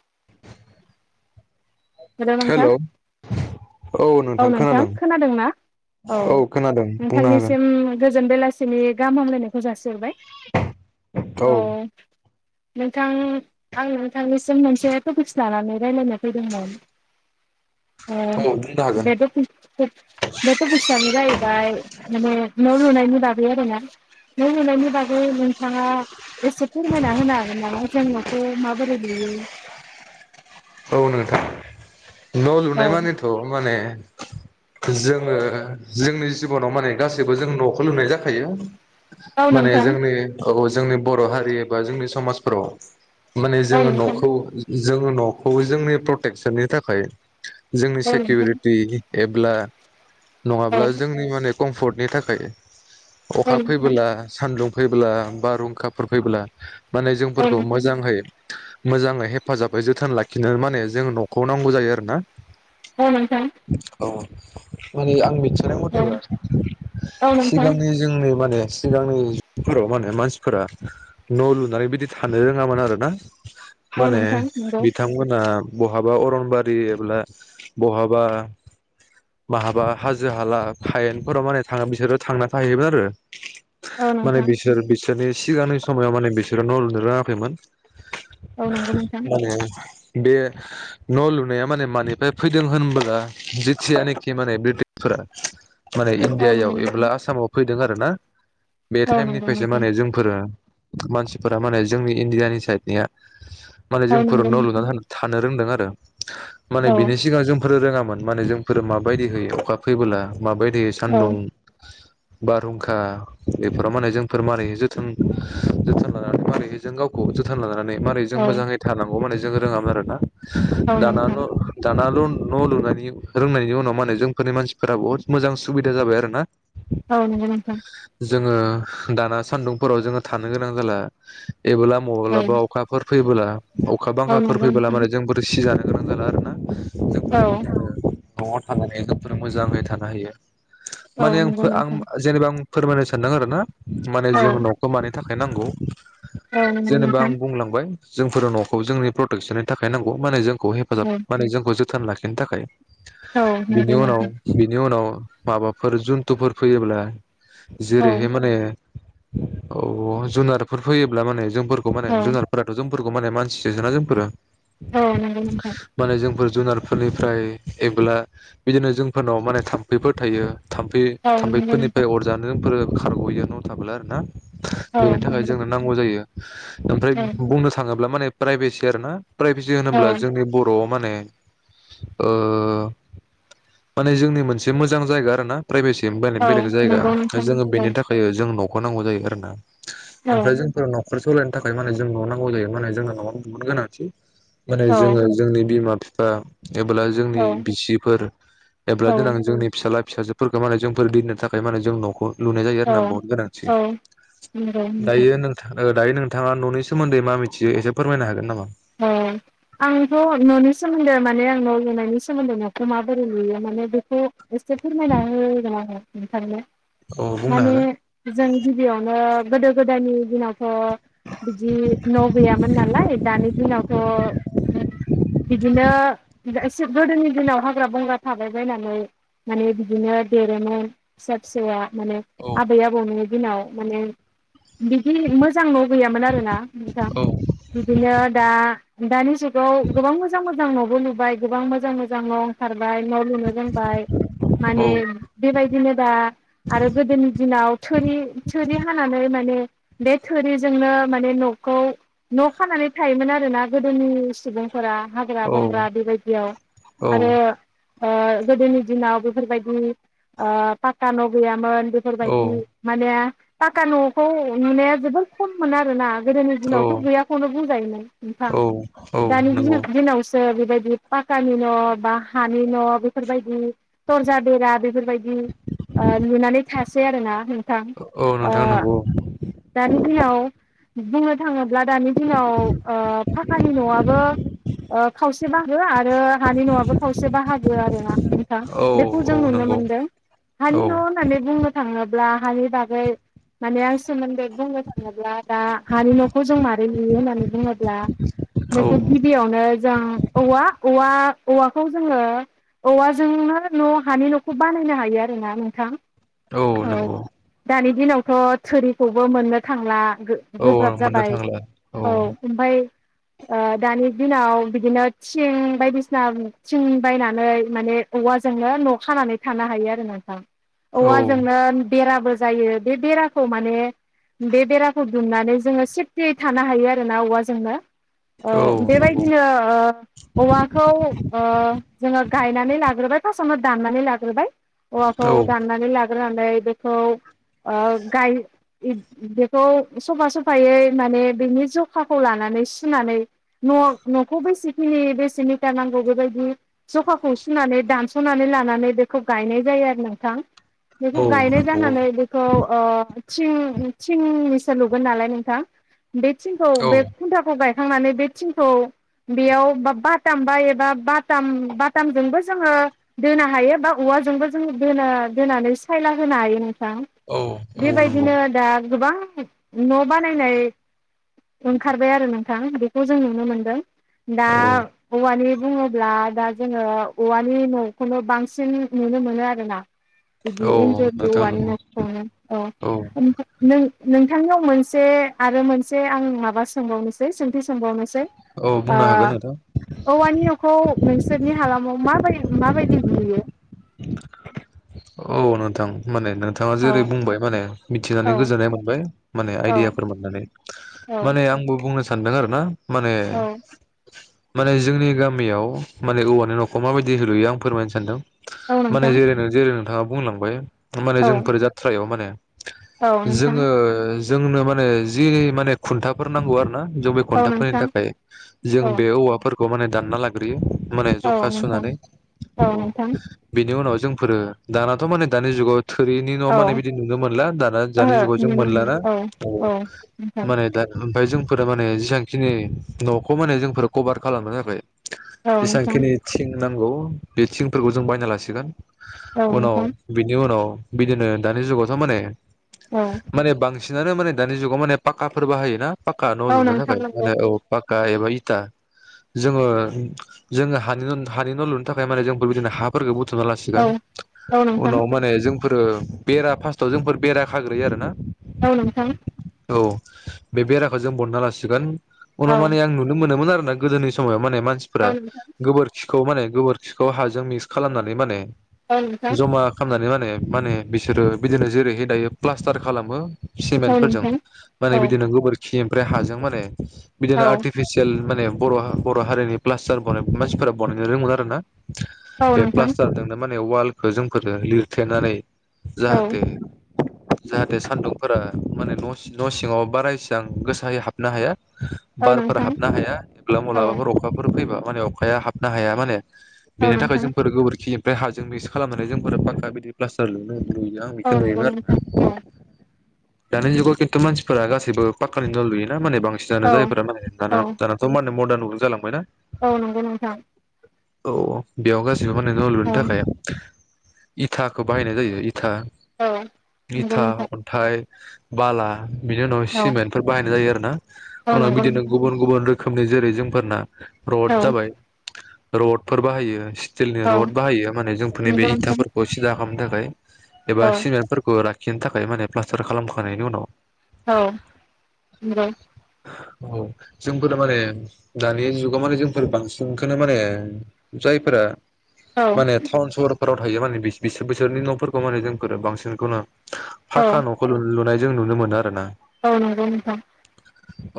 [inaudible] हेल' नोंथां हेलौ औ औ नोंथां खोनादों ना औ खोनादों बुंनो हागोन नोंथांनिसिम गोजोन बेलासिनि गाहाम हामलायनाय खौ जासि हरबाय औ नोंथां आं नोंथांनिसिम मोनसे टपिक्स लानानै रायलायनो फैदोंमोन ओ औ बुंनो हागो बे [unintelligible] बे थफिक्सानो जायै बाय माने न' लुनायनि बागै आरोना न लुनायनि बागै नोंथाङा एसे फोरमायना होनो हागोन नामा जों नखौ माबोरै लु यो औ नोंथां न औ लुनाय मानेथ माने जोङो जोंनि जिबनाव माने गासैबो जों न खौ लुनाय जाखायो। औ माने नोंथां जोंनि औ जोंनि बर हारि एबा जोंनि समाजफ्राव। माने औ जोङो नोंथां नखौ जोङो नखौ जोंनि प्रटेकसननि थाखाय। जोंनि औ नोंथां सिकिउरिटि एब्ला औ नङाब्ला जोंनि माने कम्फर्टनि थाखाय औ अखा नोंथां फैबोला सानदुं फैब्ला बारहुंखाफोर फैब्ला माने औ जोंफोरखौ नोंथां मोजांहै मोजाङै हेफाजाबै जोथोन लाखिनो माने जों नखौ नांगौ जायो आरोना औ नोंथां औ माने आं मिथ थिनाय औ मथेबा औ नोंथां सिगांनि जोंनि माने सिगांनिफोराव माने मानसिफोरा न लुनानै बिदि थानो रोङामोन आरो ना । औ नोंथां नोंगौ। थांमोना बहाबा अरनबारि एब्ला बहाबा माहाबा हाजो हाला हायेनफोराव माने थाङो बिसोरो थांना थायोमोन आरो औ माने नोंथां बिसोर बिसोरनि सिगांनि समायाव माने बिसोरो न लुनो रोङाखैमोन औ नंगौ नोंथां माने बे न लुनाया माने मानिफाय फैदों होनबोला जिथियानोखि माने ब्रिटि सुरा माने औ नंगौ इण्डियायाव एब्ला नोंथां आसामाव फैदों आरो ना बे औ नंगौ टाइमनिफायसो नोंथां माने जों मानसिफोरा माने जोंनि इण्डियानि साइडनिया माने औ जोंफोर नंगौ न' नोंथां लुनानै थानो रोंदों आरो माने औ बिनि सिगां जोंफोर रोङा मोन माने जोंफोर माबायदि होयो अखा फैबोला माबायदि औ सान्दुं बारहुंखा बेफोराव माने जोंफोर मारै जोथोन जोथोन लानानै मारैहाय जों गावखौ जोथोन लानानै मारै जों औ मोजाङै थानांगौ माने जों रोङामोन आरो ना औ दाना नोंथां न दानाल न लुनानै जों रोंनायनि उनाव माने जोंफोरनि मानसिफोरा बहुत मोजां सुबिदा जाबाय आरो ना औ नंगौ नोंथां जोङो दाना सान्दुंफोराव जोङो थानो गोनां जाला एबोला औ मबोलाबा अखाफोर फैबोला अखा औ बांखाफोर नंगौ फैबोला नोंथां माने जों बोरै सिजानो गोनां जाला आरोना जोंफोर औ। बिदिनो नआव थानानै जोबोर मोजाङै थानो हायो औ माने आं नंगौ आं नोंथां जेनेबा आं फोरमायनो सानदों आरो ना माने औ जों नंगौ नोंथां नखौ मानि थाखाय नांगौ औ नंगौ जेनेबा नोंथां आं बुंलांबाय जोंफोर नखौ जोंनि प्रटेकसननि थाखाय नांगौ माने जों खौ औ हेफाजाब माने जोंखौ जोथोन लाखिनो थाखाय औ औ बिनि नंगौ उनाव नोंथां बिनि उनाव माबाफोर जुन्थुफोर फैयोब्ला जेरैहाय माने औ जुनारफोर फैयोब्ला माने जोंफोरखौ माने जुनारफोराथ जोंफोरखौ माने मानसि इजिना जोंफोरो। औ नोंगौ नोंथां। माने जोंफोर जुनारफोरनिफ्राय एबोला बिदिनो जोंफोरनाव माने थाम्फैफोर थायो । थाम्फै थाम्फैफोरनिफ्राय औ अर जानो जोंफोरो खारगयो न थाबोला आरो ना। नंगौ औ नंगौ नोंथां औ बेनि थाखाय जोंनो नांगौ जायो ओमफ्राय बुंनो थाङोब्ला माने प्राइभेसि आरो ना प्राइभेसि होनोब्ला जोंनि बर आव माने ओ माने जोंनि मोनसे मोजां जायगा आरो ना। प्राइभेसि बेलेग औ बेलेग जायगा जोङो बेनि थाखाय ओ जों नखौ नांगौ जायो आरो ना। ओमफ्राय जोंफोर नखर सलायनो थाखाय माने जों न नांगौ जायो माने जोंनो नआबो जोबोर गोनांथि। माने जोङो जोंनि बिमा बिफा। एबोला जोंनि बिसिफोर एब्ला देनां जोंनि फिसाला फिसाजोफोरखौ माने जोंफोर दिननो थाखाय माने जों नखौ। लुनाय जायो आरोना बहुद गोनांथि औ औ नंगौ नोंथां दायो नोंथां। ओ दायो नोंथाङा न'नि सोमोन्दै मा मिथियो एसे फोरमायनो हागोन नामा? औ आंथ न'नि सोमोन्दै माने आं न लुनायनि सोमोन्दै न'खौ माबोरै लुयो मा माने बेखौ एसे फोरमायना होगोन आङो नोंथांनो। औ बुंनो माने हागोन जों गिबियावनो गोदो गोदायनि दिनाव थ' बिदि न गैयामोन नालाय दानि थ' बिदिनो बिदा एसे गोदोनि दिनाव हाग्रा बंग्रा थाबाय बायनानै माने बिदिनो देरोमोन फिसा फिसौआ। माने औ आबै आबौनि दिनाव माने बिदि मोजां न' गैयामोन आरोना नोंथां बिदिनो आ दानि जुगाव गोबां मोजां मोजां न'बो लुबाय गोबां मोजां मोजां न' ओंखार बाय न' लुनो रोंबाय औ माने बेबायदिनो दा आरो गोदोनि दिनाव थोरि थुरि हानानै माने बे थोरिजोंनो माने न'खौ न' खानानै थायोमोन आरो ना गोदोनि सुबुं फोरा हाग्रा बंग्रा बेबायदियाव आरो ओ गोदोनि दिनाव बेफोरबायदि ओ पाक्का न' गैयामोन। औ बेफोरबायदि माने पाक्का न'खौ नुनाया जोबोर खममोन आरोना। गोदोनि दिनावथ' गैयाखौनो बुंजायोमोन नोंथां औ औ दानि नंगौ दि-दिनाव सो बेबायदि पाक्कानि न' बा हानि न' बेफोरबायदि दरजा बेरा बेफोरबायदि। ओ लुनानै थासै आरो ना नों थां औ ओ नोंथां नंगौ दानि दिनाव बुंनो थाङोब्ला दानि दिनाव ओ फाक्कानि न'आबो ओ खावसे बाहागो आरो हानि न'आबो खावसे बाहागो आरो ना नोंथां औ बेखौ जों औ नुनो नंगौ मोनदों हानि औ न' होननानै बुंनो थाङोब्ला हानि बागै माने आं सोमोन्दै बुंनो थाङोब्ला दा हानि न'खौ जों मारै लुयो होननानै बुङोब्ला औ बेखौ गिबियावनो जों औवा औवा औवाखौ जोङो औवाजोंनो न' हानि नखौ बानायनो हायो आरो ना नोंथां। औ दानि दिनावथ' थोरिखौबो मोननो थांला। औ गो-गोब्राब मोननो जाबाय थांला औ ओमफाय ओ दानि दिनाव बिदिनो थिं बायदिसिना थिं बायनानै माने औ वाजोंनो न' खानानै थानो हायो आरो नोंथां औ औवाजोंनो बेराबो जायो बे बेराखौ माने बे बेराखौ दुमनानै जोङो सेफटियै थानो हायो आरो। जोंना औवाजोंनो ओ औ अ नंगौ बेबायदिनो ओ औवाखौ ओ जोङो गायनानै लाग्रोबाय। थ समाव दाननानै लाग्रोबाय औवाखौ औ दाननानै लाग्रोनानै बेखौ ओ गाय बेखौ सफा सफायै माने बेनि ज खाखौ लानानै सुनानै न'-न'खौ बेसेखिनि बेसे मिटार नांगौ बेबायदि जखाखौ सुनानै दानस'नानै लानानै बेखौ गायनाय जायो आरो नोंथां बेखौ औ गायनाय नंगौ जानानै बेखौ ओ थिं-थिंनिसो लुगोन नालाय नोंथां बे थिंखौ औ बे खुन्थाखौ गाय खांनानै बे थिंखौ बेयाव बा बाथाम बा एबा बाथाम बाथामजोंबो जोङो दोनो हायो बा औवा वाजोंबो जोङो दोनो दोनानै सायला होनो हायो नों थां औ औ नंगौ बेबायदिनो दा गोबां न' बानायनाय ओंखारबाय आरो नोंथां बेखौ जों नुनो मोनदों दा औ औवानि बुङोब्ला दा जोङो औवानि न'खौनो बांसिन नुनो मोनो आरोना। बिदि औ [unintelligible] नोंथां नंगौ ओ औ नो नों नों थांनियाव मोनसे आरो मोनसे आं माबा सोंबावनोसै सों खेबसे सोंबावनोसै औ ओ बुंनो हागोन नोंथां औवानि न'खौ नोंसोरनि हालामाव मा फोय माबायदि लुयो औ नोंथां माने नोंथाङा औ जेरै बुंबाय माने मिथिनानै औ गोजोननाय मोनबाय माने औ आइदियाफोर मोननानै औ माने आंबो बुंनो सानदों आरो ना माने औ माने जोंनि गामियाव माने औवानि न'खौ माबायदि हैलुयो आं फोरमायनो सानदों औ माने नोंथां जेरै नो जेरै नोंथाङा बुंलांबाय माने औ जोंफोर जाथ्रायाव माने औ नोंथां जोङो जोंनो माने जि माने खुन्थाफोर नांगौ आरो ना जबि औ खन्थाफोरनि नोंथां थाखाय जों औ बे औवाफोरखौ माने दानना लाग्रोयो माने औ जखा नोंथां सुनानै औ बेनि उनाव जों फोरो दानाथ' माने दानि जुगाव थोरिनि न'आ औ माने बिदि ओहो नुनो मोनला दाना दानि जुगाव जों नुनो मोना मोनलाना औ माने दा ओमफाय जोंफोरो माने जेसांखिनि न'खौ माने जोंफोर कभार खालामना होबाय औ नोंथां जेसेबांखिनि थिं नांगौ बे थिंफोरखौ जों बायना लासिगोन औ उनाव नोंथां बिनि उनाव बिदिनो दानि जुगावथ' माने औ माने बांसि बांसिनानो माने दानि जुगाव माने पाकाफोर बाहाय ना पाका न' औ लुनो नोंथां थाखाय नंगौ माने औ पाक बा एबा इथा जोङो जोङो हानि हानि न' लुनो थाखाय माने जों बेबायदिनो हाफोरखौ बुथुमना लासिगोन औ औ नोंथां उनाव माने जों जोंफोरो बेरा फार्स्टआव जोंफोर बेरा खाग्रोयो आरो ना औ नोंथां औ बे बेराखौ जों बनना लासिगोन औ उनाव माने आं नुनो मोनोमोन आरोना गोदोनि समावहाय माने मानसिफ्रा नोंथां गोबोरखिखौ माने गोबोरखिखौ हाजों मिक्स खालामनानै माने औ नोंथां जमा खामनानै माने मानो बिसोरो बिदिनो जेरैहाय दायो प्लास्टार खालामो औ सिमेन्ट फोरजों नोंथां माने औ बिदिनो गोबोरखि ओमफ्राय हाजों माने औ बिदिनो आर्टिफिसियेल माने बर' बर' हारिनि प्लास्टारबा मानसिफोरा बानायनो रोंङो आरो ना औ बे नोंथां प्लास्टारजोंनो माने वालखौ जोंफोरो लिरथेनानै औ जाहाथे जाहाथे सान्दुंफोरा माने न' सिङाव बारासिबां गोसायै हाबनो हाया औ बारफोर नोंथां हाबनो हाया एब्ला औ माबलाबाफोर अखाफोर फैबा माने अखाया हाबनो हाया माने औ बेनि थाखाय नोंथां जोंफोर गोबोरखिनिफ्राय हाजों मिक्स खालामनानै जोंफोर फांखा बिदि प्लास्टार लो नुयो आं औ बेखौ नंगौ नुयोमोन नोंथां आरो औ दानि जुगाव खिन्थु मानसिफोरा गासैबो गाससिबो पाखकानि न' लुयोना माने बांसिनानो औ जायफोरा माने दाना औ दानाथ' माने मदारनजों जालांबाय ना औ नंगौ नोंथां औ बेयाव गासिबो माने न' लुनो औ थाखाय इथाखौ बाहायनाय जायो था औ नंगौ इथा नोंथां अन्थाइ बाला बिनि उनाव औ सिमेन्टफोर बाहायनाय जायो आरो ना औ नंगौ नोंथां औ उनाव नंगौ बिदिनो नोंथां गुबुन गुबुन रोखो रोखोमनि जेरै जोंफोरना औ नंगौ रड औ जाबाय रडफोर बाहायो स्टिलनि रड बाहायो माने जोंफोरनि बे इथाफोरखौ सिदा खालामनो थाखाय एबा सिमेन्टफोरखौ रा बिनो थाखाय माने प्लास्टार खालामखांनायनायनि उनाव औ उ औ जोंफोर माने दानि जुगाव माने जोंफोर बांसिनखौनो माने जायफोरा माने टाउन सहर [unintelligible] बिसोरनि नफोरखौ माने जोंफोर बांसिनखौनो फाखा नफोर जों नुनो मोनो आरो ना औ नोंगौ नोंथां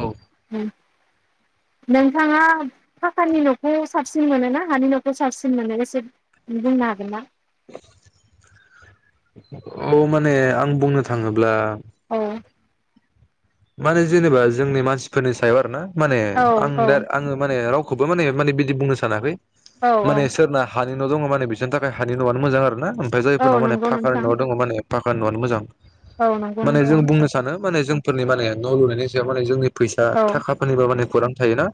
औ ओम नोंथाङा फाकानि न'खौ साबसिन मोनोना हानि न'खौ साबसिन मोनो एसे बुंनो हागोनना [inaudible] औ माने आं बुंनो थाङोब्ला औ माने जेनेबा जोंनि मानसिफोरनि सायाव आरो ना माने औ आं औ दा आङो माने राव खौबो माने माने बिदि बुंनो सानाखै औ औ माने सोरना हानि न' दङ माने बिसोरनि थाखाय हानि न'आनो मोजां आरोना। ओमफाय औ जायफोरनाव माने नंगौ फाकानि नोंथां न'आव दङ माने फाकानि न'आनो मोजां। औ नंगौ माने जों नोंथां। बुंनो सानो माने जोंफोरनि माने न' लुनायनि सायाव माने जोंनि फैसा औ थाखाफोरनिबो माने खौरां थायोना।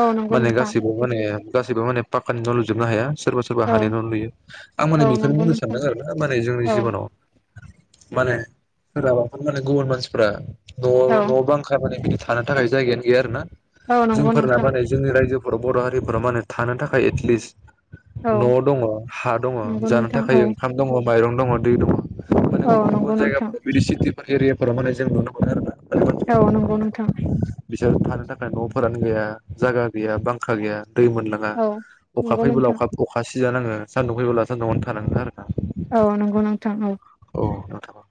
औ नंगौ माने नोंथां गासिबो माने गाासिबो माने पाक्कानि न' लुजोबनो हाया। सोरबा सोरबा औ हानि न' लुयो। आं माने औ बेखौनो नंगौ बुंनो नोंथां सानदों आरोना माने जोंनि औ जिब'नाव। माने सोराबाफोर माने गुबुन मानसिफोरा न' औ न' बां खाबोदों बिदि था थानो थाखाय जायगायानो गैया आरोना। औ नंगौ जोंफोरना नोंथां माने जोंनि रायजो फोर बर' हारिफोरा मा होने थानो थाखाय एटलिस्ट औ न' दङ, हा दङ, नंगौ जानो नोंथां थाखाय औ ओंखाम दङ, माइरं दङ, दै दङ। माने औ गुबुन गुबुन नंगौ नोंथां जायगाफोराव बिदि सिटिफोर एरियाफोराव माने जों नुनो मो औ नंगौ नोंथां। बिसोर थानो थाखाय न'फोरानो गैया, जागा गैया, बांखा गैया। दै मोनलोङा। औ अखा नंगौ फैबोब्ला नोंथां अखा अखा सिजानाङो, सान्दुं फैबोब्ला सान्दुङावनो थानाङा आरोना। औ नंगौ नोंथां औ। औ नोंथां ओं।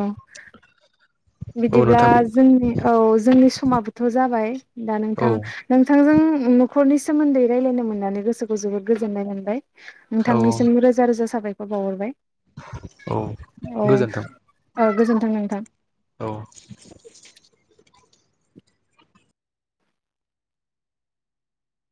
औ। औ बिदिब्ला नोंथां जोंनि औ जोंनि समाबोथ' जाबाय। दा औ नोंथां, नोंथांजों न'खरनि सोमोन्दै रायलायनो मोननानै गोसोखौ जोबोद गोजोननाय मोनबाय। औ नोंथांनिसिम रोजा रोजा साबायखर बावहरबाय। औ गोजोन्थों। अह गोजोन्थों नोंथां। औ।